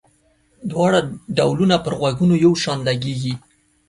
دواړه ډولونه پر غوږونو یو شان لګيږي.